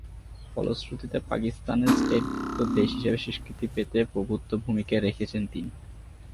ফলশ্রুতিতে, পাকিস্তানের টেস্টভূক্ত দেশ হিসেবে স্বীকৃতি পেতে প্রভূতঃ ভূমিকা রেখেছিলেন তিনি।